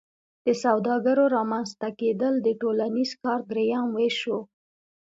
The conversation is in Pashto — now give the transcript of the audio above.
د سوداګر رامنځته کیدل د ټولنیز کار دریم ویش شو.